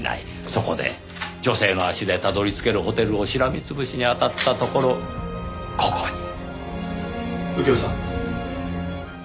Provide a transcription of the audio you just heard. そこで女性の足でたどり着けるホテルをしらみ潰しにあたったところここに。